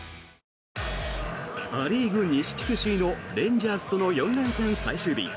ア・リーグ西地区首位のレンジャーズとの４連戦最終日。